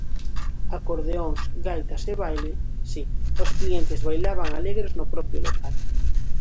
Acordeóns, gaitas e baile, si, os clientes bailaban alegres no propio local.